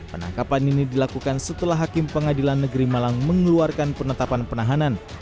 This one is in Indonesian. penangkapan ini dilakukan setelah hakim pengadilan negeri malang mengeluarkan penetapan penahanan